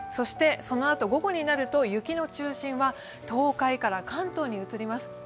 そのあと午後になると雪の中心は東海から関東に移ります。